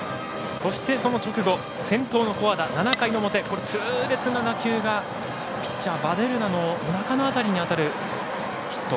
そして、その直後先頭の古和田７回の表、痛烈な打球がピッチャー、ヴァデルナのおなかの辺りに当たるヒット。